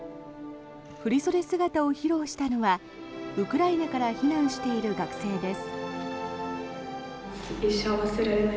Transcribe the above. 振り袖姿を披露したのはウクライナから避難している学生です。